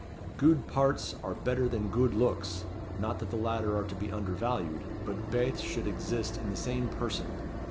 Gude pairts are better than gude looks; not that the latter are to be undervalued, but baith should exist in the same person.